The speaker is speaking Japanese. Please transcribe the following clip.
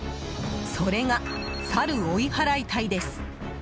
それが、サル追い払い隊です。